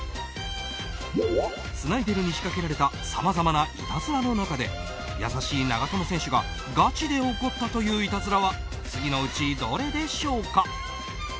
スナイデルに仕掛けられたさまざまないたずらの中で優しい長友選手がガチで怒ったといういたずらは次のうちどれでしょうか？